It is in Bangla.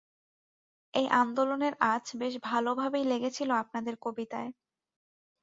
এই আন্দোলনের আঁচ বেশ ভালোভাবেই লেগেছিল আপনাদের কবিতায়।